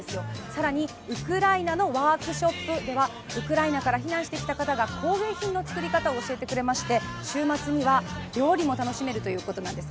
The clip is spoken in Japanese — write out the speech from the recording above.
更に、ウクライナのワークショップでは、ウクライナから避難してきた方が工芸品の作り方を教えてくれまして週末には料理も楽しめるということなんです。